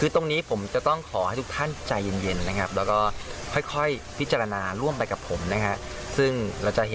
ตรงนี้ผมจะต้องด้วยเรียนความใจ